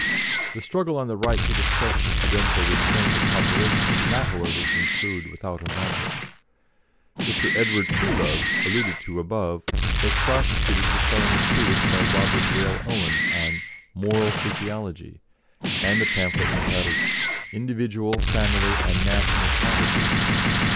The struggle on the right to discuss the prudential restraint of population did not, however, conclude without a martyr. Mr. Edward Truelove, alluded to above, was prosecuted for selling a treatise by Robert Dale Owen on "Moral Physiology," and a pamphlet entitled, "Individual, Family, and National Poverty."